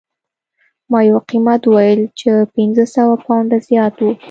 ما یو قیمت وویل چې پنځه سوه پونډه زیات و